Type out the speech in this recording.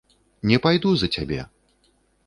Не пайду за цябе!